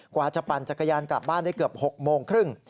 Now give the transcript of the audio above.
กว่าจะปั่นจักรยานกลับบ้านได้เกือบ๖โมงครึ่ง